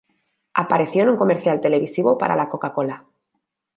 Apareció en un comercial televisivo para la "Coca-Cola".